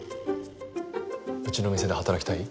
うちの店で働きたい？